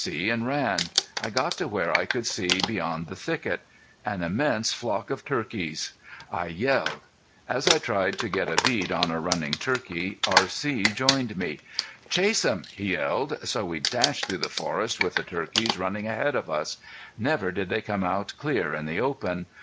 C. and ran. I got to where I could see beyond the thicket. An immense flock of turkeys! I yelled. As I tried to get a bead on a running turkey R.C. joined me. "Chase 'em!" he yelled. So we dashed through the forest with the turkeys running ahead of us. Never did they come out clear in the open.